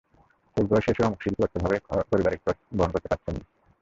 শেষ বয়সে এসে অমুক শিল্পী অর্থাভাবে পরিবারের খরচ বহন করতে পারছেন না।